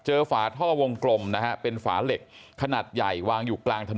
ฝาท่อวงกลมนะฮะเป็นฝาเหล็กขนาดใหญ่วางอยู่กลางถนน